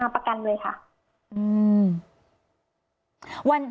ประกันเลยค่ะ